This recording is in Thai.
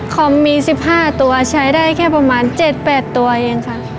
คอมมี๑๕ตัวใช้ได้แค่ประมาณ๗๘ตัวเองค่ะ